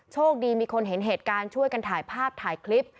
โชคดีมีคนเห็นเหตุการณ์ช่วยกันถ่ายภาพถ่ายคลิป